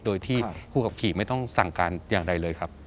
โดยที่ผู้ขับขี่ไม่ต้องสั่งการอย่างใดเลยครับ